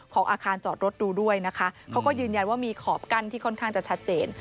ของอาคารจอดรถดูด้วยนะคะเขาก็ยืนยันว่ามีขอบกั้นที่ค่อนข้างจะชัดเจน